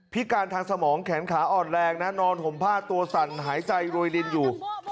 พิการทางสมองแขนขาอ่อนแรงนะนอนห่มผ้าตัวสั่นหายใจรวยลินอยู่